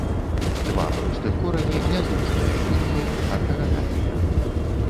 Два простых корані, не злучаныя лініяй, артаганальныя.